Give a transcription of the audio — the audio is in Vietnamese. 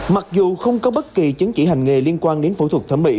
mặc dù không có bất kỳ chứng chỉ hành nghề liên quan đến phẫu thuật thẩm mỹ